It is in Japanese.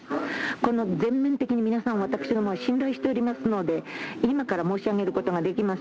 この全面的に皆さん、私ども信頼しておりますので、今から申し上げることができます。